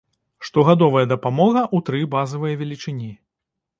Штогадовая дапамога ў тры базавыя велічыні.